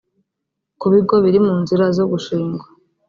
ku bigo biri mu nzira zo gushingwa